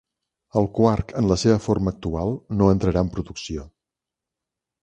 El Quark en la seva forma actual no entrarà en producció.